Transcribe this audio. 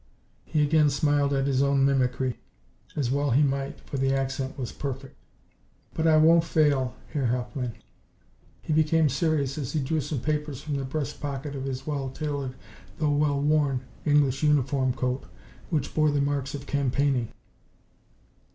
He again smiled at his own mimicry, as well he might, for the accent was perfect. "But I won't fail, Herr Hauptmann." He became serious as he drew some papers from the breast pocket of his well tailored, though well worn, English uniform coat which bore the marks of campaigning.